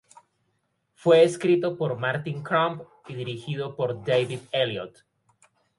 Fue escrito por Martin Crump y dirigido por David Elliott.